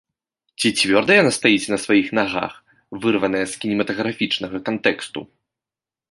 Ці цвёрда яна стаіць на сваіх нагах, вырваная з кінематаграфічнага кантэксту?